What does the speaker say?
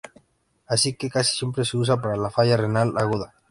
Así que casi siempre se usa para la falla renal aguda.